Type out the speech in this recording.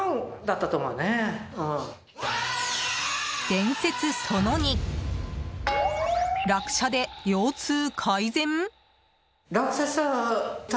伝説その２落車で腰痛改善？